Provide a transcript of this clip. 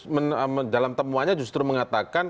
saya dalam temuannya justru mengatakan